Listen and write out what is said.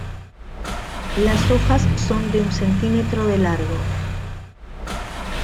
Las hojas son de un centímetro de largo.